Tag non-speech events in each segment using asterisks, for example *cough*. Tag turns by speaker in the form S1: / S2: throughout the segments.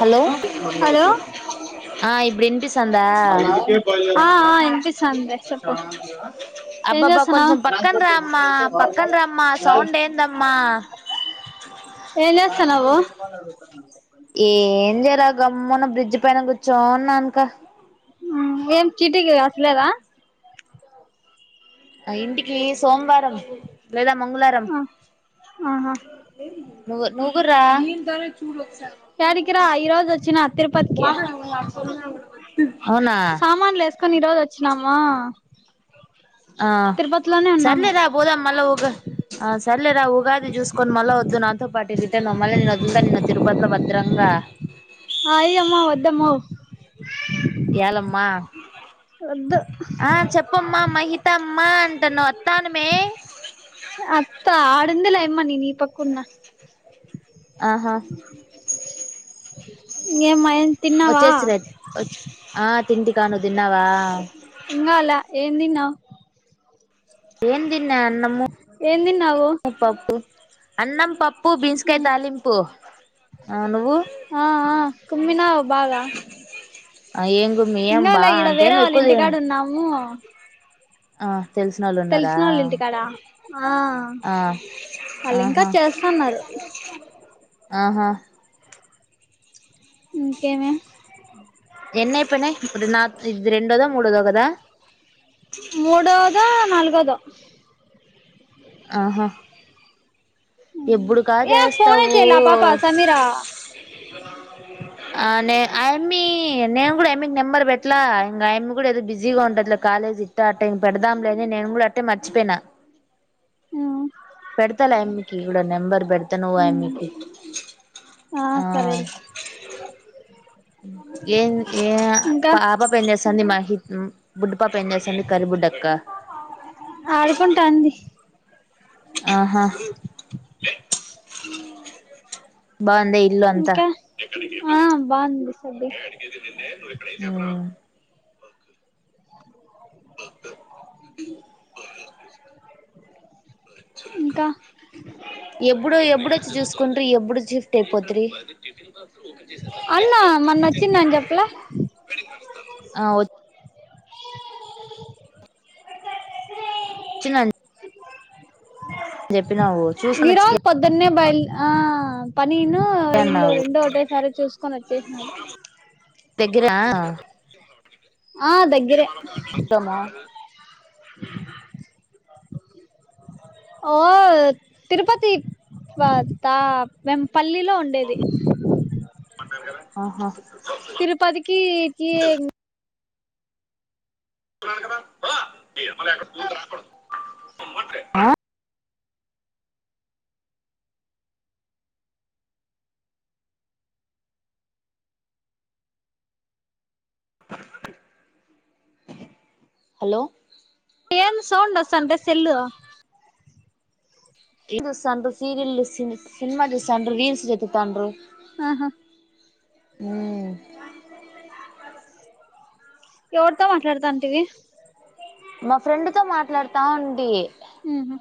S1: Hello
S2: hello
S1: ఆ ఇప్పుడు వినిపిస్తుందా
S2: ఆఆ ఇన్పిస్తాందిలే చెప్పు ఏం
S1: అబ్బాబ్బా
S2: జేస్తున్నావ్
S1: కొంచెం పక్కన రామ్మా పక్కన రామ్మా సౌండ్ ఏందమ్మా
S2: ఏంజేస్తున్నవో
S1: ఏం జేలా గమ్మున బ్రిడ్జ్ పైన కూర్చోన్నానుక
S2: హ్మ్ ఏం చీటికి రాసలేద
S1: ఆ ఇంటికి సోమవారం లేద మంగళవారం
S2: ఆహా
S1: నువ్ నువ్ గూడ రా హ్యూమన్స్
S2: యాడికి రా ఇ రోజు వచ్చిన తిరుపతికి
S1: అవునా
S2: సామాన్లు ఎసుకొని ఈరోజు వచ్చనామూ
S1: ఆ
S2: ఉన్నాము
S1: సార్లె దా బోదం మళ్ళ ఒగు ఆ సర్లేరా ఉగాది చూసుకొని మళ్ళా వద్దు నాతో పాటి రిటర్న్ మళ్ళీ నేను వదులుతాను నిన్ను తిరుపతిలో భద్రంగా.
S2: ఆయి అమ్మ వద్దమ్మో
S1: ఏలమ్మా
S2: వద్దు
S1: ఆ చెప్పమ్మా మహితమ్మా అంటన్నా వత్తాను మే,
S2: పకున్న
S1: ఆహా
S2: ఏమ్మాయ్
S1: వచ్చేసిరే వొ ఆ తింటికా నుదిన్నావా
S2: ఇంగాలే ఏం తిన్నావు
S1: ఏం తిన్నా అన్నమూ
S2: ఏం తిన్నావు
S1: పప్పు అన్నం పప్ పు బీన్స్ కాయ్ తాలింపు ఆ నువ్వు
S2: ఆ ఆ కుమ్మినావ్ బాగా
S1: ఆ ఏం కుమ్మి ఏం బా
S2: ఇంగాలే ఈడ
S1: అంతేం
S2: వేరే వాళ్ళ
S1: ఎక్కువ
S2: ఇంటికాడ
S1: తినన్ ఆ
S2: తెలిసినోళ్ళు ఇంటికాడ ఆ
S1: ఆ
S2: వాళ్ళు ఇంకా
S1: ఆహా
S2: చేస్సన్నారు.
S1: ఆహా
S2: ఇంకేమి
S1: ఎన్ని అయిపోనేయ్ ఇప్పుడు నాత్ ఇది రెండోదో మాడోదో కదా
S2: మూడోదో నాలుగోదో
S1: ఆహా ఎప్పుడు కా
S2: ఏ ఫోన్
S1: చేస్తావు
S2: చేలా పాపా సమీరా
S1: ఆే అయమ్మీ నేను కూడా అమ్మీకి నెంబర్ పెట్టలా ఇంకా అయమ్మి కూడా ఏదో బిజీగా ఉంటదిలే కాలేజ్ ఇట్ట అట్టే ఇంక పెడదాంలేని నేను కూడా అట్టే మర్చిపోయినా
S2: ఆ
S1: పెడతాల అమికి ఇ కూడా నెంబర్ పెడతా నువ్వు
S2: ఉమ్
S1: అయమ్మికి ఆ ఏ ఏ
S2: ఇంకా
S1: ఆప పెని చేస్తుంది మా గిత్న బుడ్డుపాప ఏం చేస్తుంది కరిబుడ్డక్క
S2: ఆడుకుంటాంది
S1: ఆహా బాందే ఇల్లు అంత
S2: ఇంకా ఆ బాగుంది సద్ది
S1: హు
S2: ఇంకా
S1: ఎప్పుడు ఎప్పుడొచ్చి చూసుకుంటీ ఎప్పుడు షిఫ్ట్ అయిపోత్రి
S2: అన్నా మన్న వచ్చిండు అని చెప్పలే
S1: ఆ వో చిన్నన్ చెప్పినావు
S2: గీ
S1: చూసుకొని వచ్చి
S2: రోజ్ పొద్దున్నే బయల్ ఆ ప నేను ఇల్లు
S1: అన్నావు
S2: రెండు ఒకటేసారి చూసుకొని వచ్చేసినాడు
S1: దగ్గరా ఆ
S2: ఆ దగ్గరే ఓ తిరుపతి పత మేం పల్లీలో ఉండేది
S1: ఆహా
S2: తిరుపతికి ఈ టీ
S1: అ హలో
S2: ఏం సౌండ్ వస్తాంటే సెల్లు
S1: రీల్స్ చూస్సండ్రు, సీరియల్, సినిమా చూసండ్రు రీల్స్ ఎత్తు తాండ్రు
S2: ఆహా
S1: హ్మ్
S2: ఎవరితో మాట్లాడతాంటివి
S1: లడతా ఉంటి
S2: హు మ్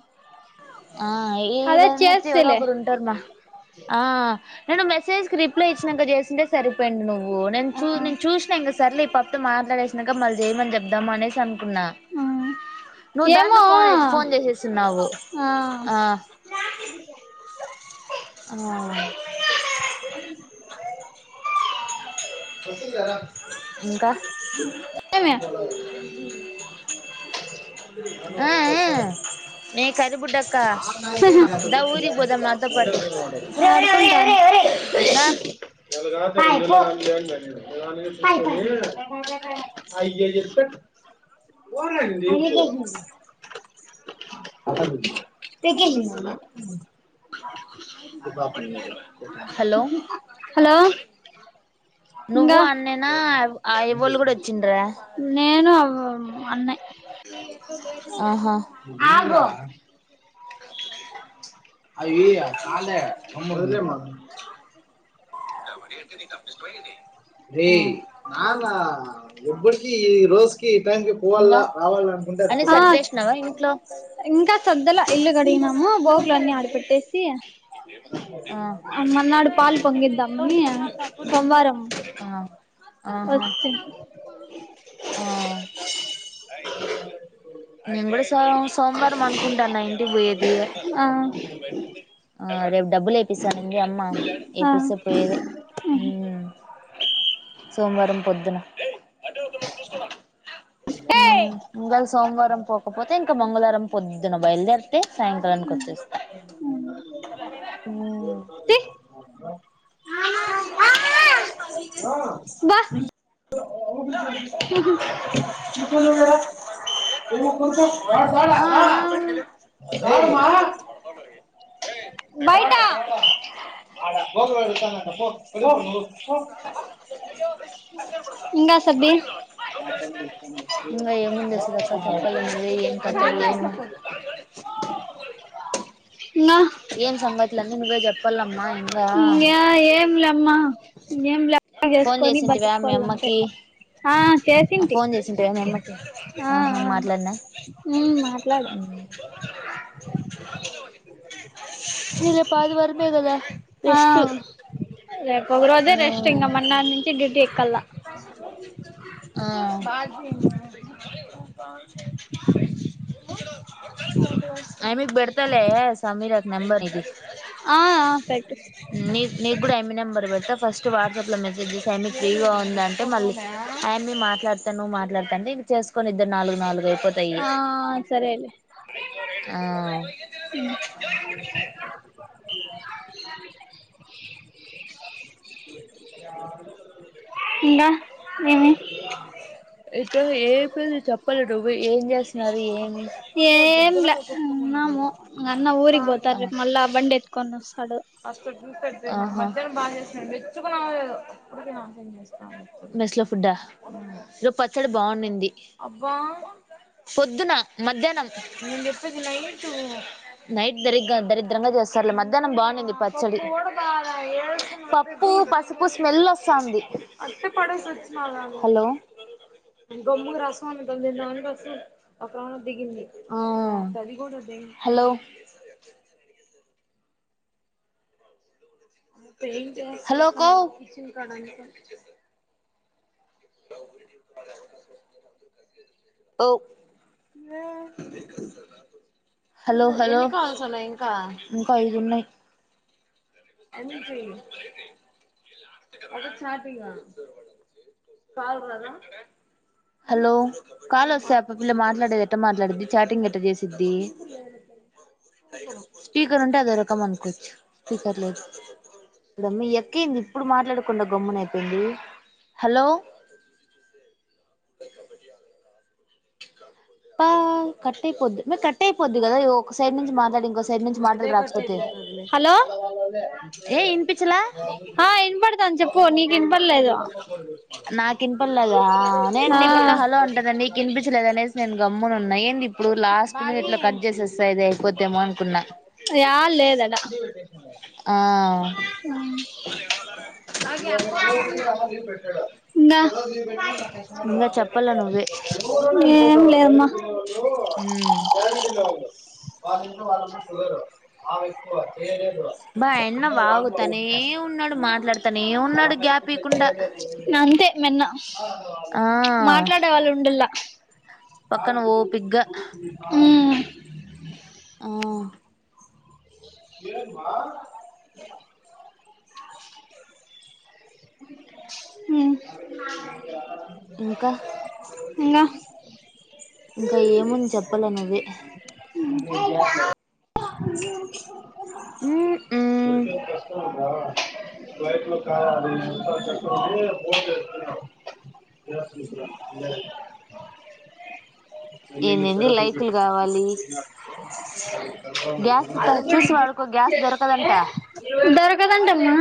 S1: ఆ ఈడ అన్న అయితే ఎవరో ఒకరు ఉంటారుమా ఆ నేను మెసేజ్కి రిప్లై ఇచ్చినాక చేసింటే సరి పోయిండు నువ్వు నేను
S2: ఆ
S1: నేన్ చూసినా ఇంగ సర్లే ఈ పాప తో మాట్లాడే నాక మల్ చేయమని చెప్దాం అనేసి అనుకున్నా,
S2: ఆ
S1: నువ్వు
S2: ఏమో
S1: దాంట్లో ఫోన్ ఫోన్ చేసేస్తున్నావు. ఆ
S2: ఆ
S1: ఆ
S2: కొస కనా
S1: ఇంకా ఆ ఆ మే కరిబుడ్డక్క
S2: అహ
S1: దా ఊరికి పోదాం నాతో పాటు
S2: పడుకుంటాడు
S1: దా
S2: హాయ్ కేజీ ప
S1: హలో
S2: హలో
S1: నువ్వు
S2: ఇంగా
S1: అన్నేనా ఆ అవ్వోళ్ళు కూడా వచ్చిండ్రా
S2: నేను అవ్వ అన్నా
S1: ఆహా
S2: ఆగు అయ్యి కాలే వదిలేయమ్మా
S1: నా బడి అంటే నీకు అంత ఇష్టమా ఏంది
S2: రే నాన్న ఎవ్వడికి ఈ రోజుకి
S1: ఇంగా అన్ని
S2: ఆ
S1: సర్దేసినావా ఇంట్లో
S2: ఇంకా సద్దలే ఇల్లు కడిగినాము బోగులన్ని ఆడిపట్టేసి
S1: ఆ
S2: మర్నాడు పాలు పొంగిద్దామని సోమవారం
S1: ఆ ఆహా
S2: వచ్చింది
S1: ఆ నేను కూడా సో సోమవారం అనుకుంటాన్నా ఇంటికి పోయేది
S2: ఆ
S1: ఆ అదే డబ్బులు ఏపిస్తా అనింది అమ్మ
S2: ఆ
S1: ఏపిస్తే పోయేది హు సోమవారం పొద్దున హు
S2: ఏయ్
S1: ఒకవేళ సోమవారం పోకపోతే ఇంకా మంగళవారం పొద్దున బయలుదేరితే సాయంకాలనికి వచ్చేస్తా హు
S2: ఆ ఆ ఆ అబ్బా ఉహు కూర్చో నువ్వు ఈడ ఏమనుకుంటాం సోలామా
S1: ఆ
S2: బయట ఆడ గోకుల్ గోకుల్ కడుగుతుంది పో ఇగో ఇంగా సబ్బి
S1: ఇంకా ఏమేం చేస్తుందక్క చెప్పాలే ఏం కథ ఏం ఉంది
S2: ఇంగ
S1: ఏం సంగతులు అన్న నువ్వే చెప్పాలమ్మా ఇంకా
S2: ఇంగా ఏం లేమ్మా ఏం లే
S1: ఫోన్
S2: చేసుకొని
S1: చేసింటివా మీ
S2: బతుక్కోవాలంతే
S1: అమ్మకి
S2: ఆ చేసింటి
S1: ఫోన్ చేసింటివా మీ అమ్మకి
S2: ఆ
S1: ఆహా
S2: ఆ
S1: మాట్లాడినా
S2: ఉమ్ మాట్లాడు
S1: రేపు ఆదివారం గాధ
S2: ఆ
S1: రెస్ట్
S2: రేపు ఒక రోజే
S1: హా
S2: రెస్ట్ ఇంగ మన్నాటి నుంచి డ్యూటీ ఎక్కల్లా
S1: ఆ అమిక్కీ పెడు ఇస్తాలే సమీరా కి నెబర్
S2: ఆ ఆ పెట్టు
S1: నీ నీకు కూడా ఆమె నెంబర్ ఫస్ట్ వాట్సాప్ లో మెసేజ్ చేసి మీ ఫ్రీగా ఉంద అంటే మళ్ళీ ఆయన మీ మాట్లాడతాను మాట్లాతంటే ఇ చేసుకొనిఇద్దరు
S2: ఆ సరే అయితే
S1: ఆ
S2: ఇంగ ఏమి
S1: ఇంకా ఏ ఏ *unintelligible* చేపలు నువ్వే ఎం చేస్తా
S2: ఎం లే ఉన్నాము ఇంగ అన్న ఊరికి పోతాడు మల్ల బండి వేసుకొని వస్తాడు
S1: హాస్టల్ ఫుడ్ పెడితే మధ్యాహ్నంబాగా చేస్తారు తెచ్చుకున్నావోలేదో మెస్ ల ఫుడ్ ఆహ్ ఈరోజు పచ్చద బాగుండింది అబ్బా పొద్దున మధ్యాహ్నం నేను చెప్పేది నైట్ నైట్ దారి దరిద్రంగా చేస్తారులే పడి పప్పు పసుపు స్మెల్ వస్తుంది హలోమ్ హలో హలో కో ఓ హలో హలో ఇంకా ఐదుఉన్నాయి హలో కాల్ వస్తాయి ఆ పిల్ల మాట్లాడేది ఎట్ట మాట్లాడేది చాటింగ్ ఎట్ట చేసిద్ది స్పీకర్ ఉంటే అదో రకం అనుకోవచ్చుపీ ఇదమ్మ ఎక్కింది ఇప్పుడు మాట్లాడకుండా గమ్మున అయిపోయింది హలో పా కట్ అయిపోద్ది కట్ అయిపోద్ది కదా ఒక సైడ్ నుంచి మాట్లాడి ఇంకోస్
S2: హలో
S1: ఏ ఇనిపించలా
S2: ఆ ఇన్పడతాంది చెప్పు నీకు వినప
S1: నాకు ఇన్పల్లేదా నేను
S2: ఆ
S1: నీ పక్క హలో అంటున్న నీ కినిపించలేదనేసి నేను గమ్మున నేనిప్పుడు లాస్ట్ మినిట్ లో కట్ చేసేస్తా ఇది అయిపోద్దేమో అనుకున్నా
S2: ఏడ లేదట
S1: ఆ
S2: హ్మ్ *unintelligible* నా
S1: ఇంగా చెప్పాల నువ్వే
S2: ఏం లేవుమా
S1: హ్మ్
S2: *unintelligible*
S1: బాయన్న బాగు తనే ఉన్నాడు మాట్లాడు
S2: నంతే మన్న
S1: ఆ
S2: మాట్లాడే వాళ్ళు ఉండలా
S1: పక్కన ఓపిగ్గా
S2: హ్మ్
S1: ఆ
S2: *inaudible* *inaudible*
S1: ఇంకా
S2: ఇంకా *unintelligible*
S1: ఇంకా ఏముంది చెప్పాల నువ్వే
S2: అ కష్ట
S1: ఉమ్ ఉమ్
S2: ఉ లో ఎ లో కా అది సర
S1: ఏందేంది లైకులు కావాలి
S2: అ
S1: గ్యాస్ త చూస్ వాడుకో గ్యాస్ దొరకదంట
S2: కాదంటమ్మా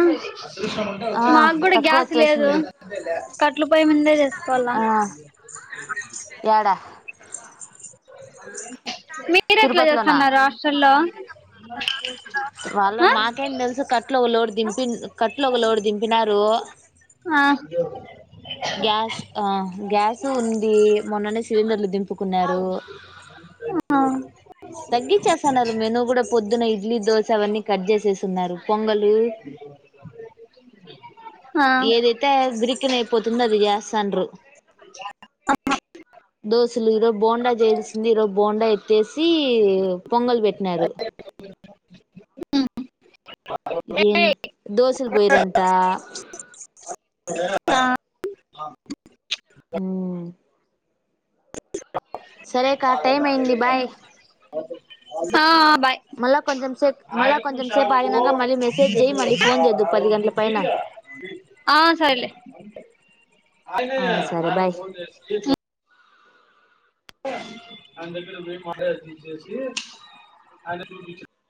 S1: ఆ
S2: మాకు కూడా
S1: తక్కువ
S2: గ్యాస్ లేదు
S1: వచ్చేసింది
S2: కట్లు పోయ్ మిందే చేసుకోవాల
S1: ఆ యాడా
S2: మీరు ఎట్లా
S1: తిరుపతిలోనా
S2: చేస్తున్నారు హస్ట్రల్లో
S1: పి కట్లు ఒక లోడు దింపినారు
S2: ఆ
S1: గ్యాస్ ఆ గ్యాస్ ఉంది మొన్ననే సిలిండర్లు దింపుకున్నారు
S2: ఆ ఆ
S1: తగ్గించేస్తున్నారు మెను కూడా పొద్దున్న ఇడ్లీ దోశ అవన్నీ కట్ చేసేస్తున్నారు పొంగలు
S2: ఆ
S1: ఏదైతే బిరికిన్ అయిపోతుందొ అది జాస్ తండ్రు దోశలు ఈరోజు బోండా చేయాల్సింది ఈరోజు బోండా ఎత్తేసి పొంగలు పెట్టినారు. దోశలు పోయ్రంట
S2: ఆ
S1: హ్మ్ సరే కా టైం అయింది బాయ్
S2: ఆ బాయ్
S1: మళ్ళా కొంచెం సేపు మళ్ళా కొంచెం సేపు ఆగినాక మళ్ళీ మెసేజ్ చెయ్యి మళ్ళీ ఫోన్ చేద్దువు పది గంటల పైన
S2: ఆ సర్లే
S1: ఆ సరే బాయ్
S2: *unintelligible*